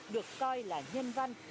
được coi là nhân văn